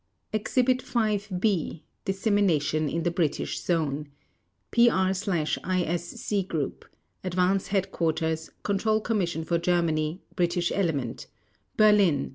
Exhibit V B. Dissemination in the British Zone PR/ISC Group, Advance Headquarters, Control Commission for Germany (British Element), BERLIN, B.